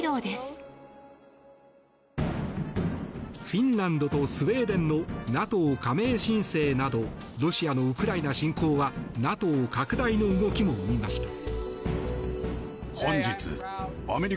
フィンランドとスウェーデンのＮＡＴＯ加盟申請などロシアのウクライナ侵攻はＮＡＴＯ拡大の動きも生みました。